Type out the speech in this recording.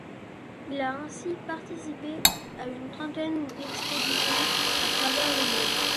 Il a ainsi participé à une trentaine d’expéditions à travers le monde.